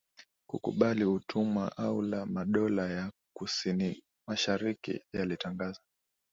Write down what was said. kukubali utumwa au la madola ya kusinimashariki yalitangaza